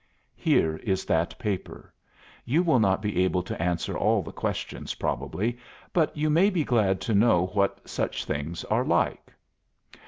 Here is that paper. You will not be able to answer all the questions, probably, but you may be glad to know what such things are like.